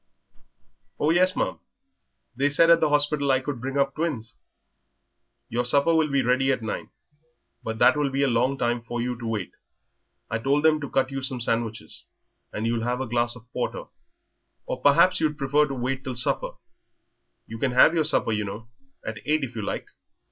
"Oh, yes, ma'am; they said at the hospital I could bring up twins." "Your supper will be ready at nine. But that will be a long time for you to wait. I told them to cut you some sandwiches, and you'll have a glass of porter. Or perhaps you'd prefer to wait till supper? You can have your supper, you know, at eight, if you like?"